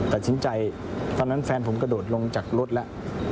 ตอนนั้นแฟนผมกระโดดลงจากรถแล้ว